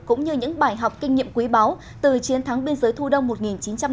cũng như những bài học kinh nghiệm quý báu từ chiến thắng biên giới thu đông một nghìn chín trăm năm mươi